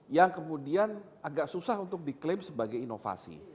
yang kemudian agak susah untuk diklaim sebagai inovasi